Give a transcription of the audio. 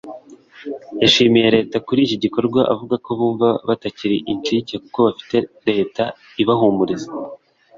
yashimiye leta kuri iki gikorwa avuga ko bumva batakiri incike kuko bafite leta ibahumuriza